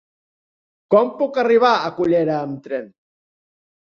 Com puc arribar a Cullera amb tren?